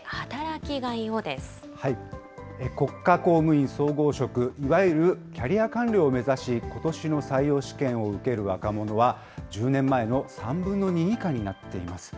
国家公務員総合職、いわゆるキャリア官僚を目指し、ことしの採用試験を受ける若者は１０年前の３分の２以下になっています。